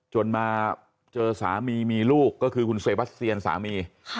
จนมาเจอสามีมีลูกก็คือคุณเซบัสเซียนสามี